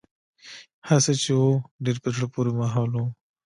هرڅه چې و ډېر په زړه پورې ماحول و.